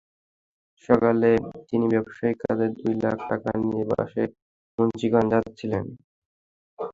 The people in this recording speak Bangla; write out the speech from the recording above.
সকালে তিনি ব্যবসায়িক কাজে দুই লাখ টাকা নিয়ে বাসে মুন্সিগঞ্জ যাচ্ছিলেন।